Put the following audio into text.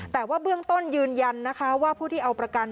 แต่ว่าเบื้องต้นยืนยันนะคะว่าผู้ที่เอาประกัน